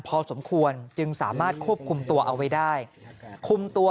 พอสมควรจึงสามารถควบคุมตัวเอาไว้ได้คุมตัว